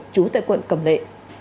trú tại quận cầm lệ